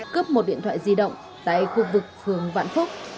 cướp một điện thoại di động tại khu vực phường vạn phúc